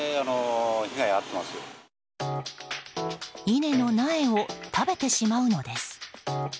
稲の苗を食べてしまうのです。